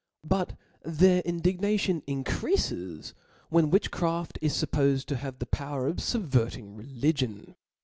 But their indignation increafes, when witchcraft is fuppofed to have a power of fubverting religion.